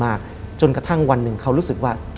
และไม่เคยเข้าไปในห้องมิชชาเลยแม้แต่ครั้งเดียว